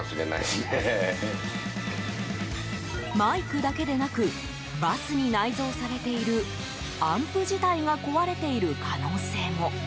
マイクだけでなくバスに内蔵されているアンプ自体が壊れている可能性も。